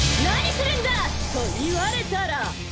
何するんだ！と言われたら。